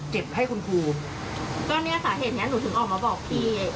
ให้คุณครูก็เนี้ยสาเหตุเนี้ยหนูถึงออกมาบอกพี่